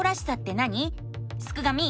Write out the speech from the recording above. すくがミ！